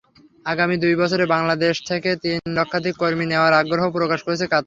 আগামি দুই বছরে বাংলাদেশ থেকে তিন লক্ষাধিক কর্মী নেওয়ার আগ্রহ প্রকাশ করেছে কাতার।